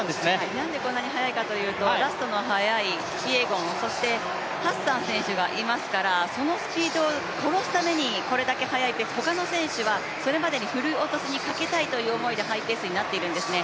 なんでこんなに速いのかというとラストに速いキピエゴン、そしてハッサン選手がいますから、そのスピードを殺すためにこれだけ速いペース、他の選手はそれまでふるい落としたいということでハイペースになっているんですね。